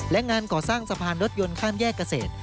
และงานก่อสร้างสะพานรถยนต์ข้ามแยกเกษตร